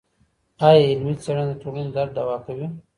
ايا علمي څېړنه د ټولني درد دوا کوي؟